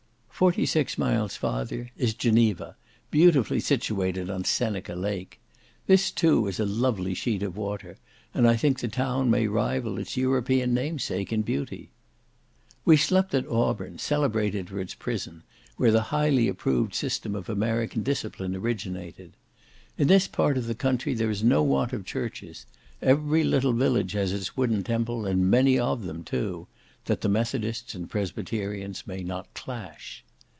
Forty six miles farther is Geneva, beautifully situated on Seneca Lake. This, too, is a lovely sheet of water, and I think the town may rival its European namesake in beauty. We slept at Auburn, celebrated for its prison, where the highly approved system of American discipline originated. In this part of the country there is no want of churches; every little village has its wooden temple, and many of them too; that the Methodists and Presbyterians may not clash.